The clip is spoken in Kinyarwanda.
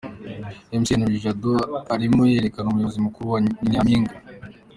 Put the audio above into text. Mc Henri Jado arimo yerekana umuyobozi mukuru wa Ninyampinga.